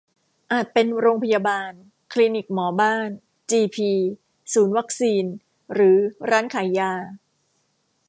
อาจเป็นโรงพยาบาล คลีนิกหมอบ้าน จีพี ศูนย์วัคซีน หรือร้านขายยา